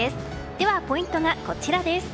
ではポイントがこちら。